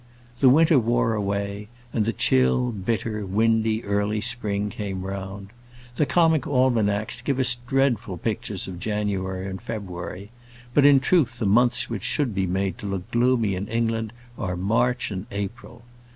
The winter wore away, and the chill, bitter, windy, early spring came round. The comic almanacs give us dreadful pictures of January and February; but, in truth, the months which should be made to look gloomy in England are March and April.